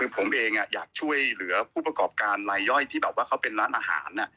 ผมเองอยากช่วยคู่ปรากฎการณ์ไรย่อยที่เขาเป็นร้านอาหาร